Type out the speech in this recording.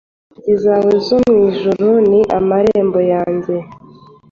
Inzugi zawe zo mu ijuru ni amarembo yanjye.